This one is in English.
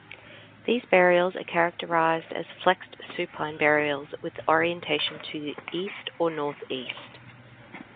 These burials are characterized as flexed supine burials with orientation to east or northeast.